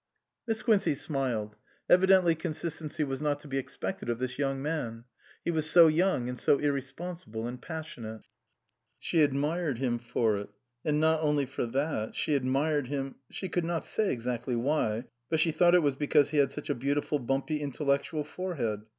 Miss Quincey smiled. Evidently consistency was not to be expected of this young man. He was so young, and so irresponsible and passion ate. She admired him for it ; and not only for that ; she admired him she could not say exactly why, but she thought it was because he had such a beautiful, bumpy, intellectual fore head.